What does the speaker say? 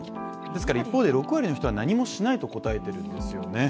ですから一方で６割の人が何もしないと答えてるんですよね。